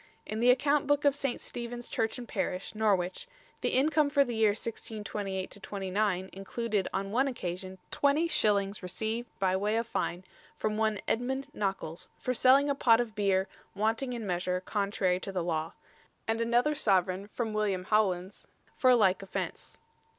In the account book of St. Stephen's Church and Parish, Norwich, the income for the year 1628 29 included on one occasion 20s. received by way of fine from one Edmond Nockals for selling a pot of beer "wanting in measure, contrary to the law," and another sovereign from William Howlyns for a like offence.